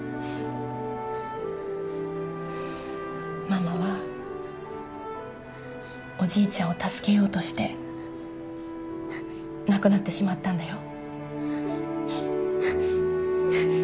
ママはおじいちゃんを助けようとして亡くなってしまったんだよ。